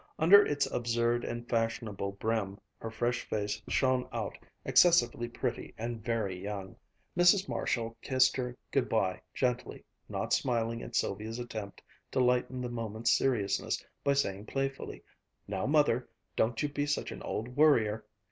Under its absurd and fashionable brim, her fresh face shone out, excessively pretty and very young. Mrs. Marshall kissed her good bye gently, not smiling at Sylvia's attempt to lighten the moment's seriousness by saying playfully, "Now, Mother, don't you be such an old worrier!"